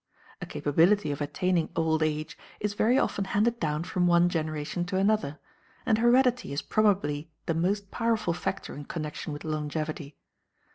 A capability of attaining old age is very often handed down from one generation to another, and heredity is probably the most powerful factor in connection with longevity.